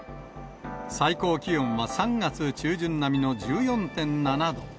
最高気温は３月中旬並みの１４．７度。